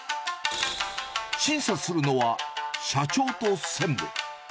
審査するのは社長と専務。